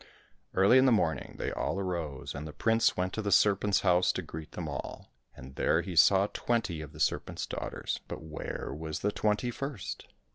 Early in the morning they all arose, and the prince went to the serpent's house to greet them all, and there he saw twenty of the serpent's daughters, but 277 COSSACK FAIRY TALES where was the twenty first